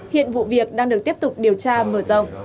hiện vụ việc đang được tiếp tục điều tra mở rộng